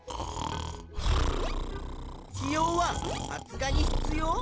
子葉は発芽に必要？